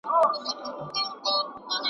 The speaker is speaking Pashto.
ستا د حُورو د دنیا نه